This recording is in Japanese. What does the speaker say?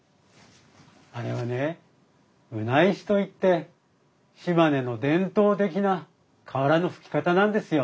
あれはね棟石といって島根の伝統的な瓦の葺き方なんですよ。